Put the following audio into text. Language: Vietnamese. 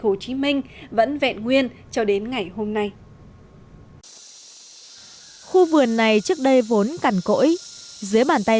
hồ chí minh vẫn vẹn nguyên cho đến ngày hôm nay khu vườn này trước đây vốn cằn cỗi dưới bàn tay